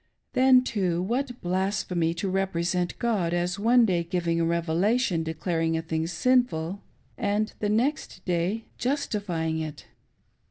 —; Then, too, what blasphemy to represent God as one day givihg a " Revelation " declaring a thing, sinful, and the next day " justifying " it